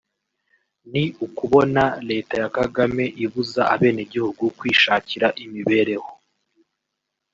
ni ukubona leta ya Kagame ibuza abeneguhugu kwishakira imibereho